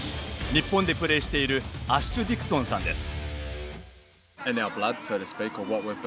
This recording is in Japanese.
日本でプレーしているアッシュ・ディクソンさんです。